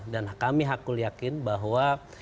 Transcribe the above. dan kami hakul yakin bahwa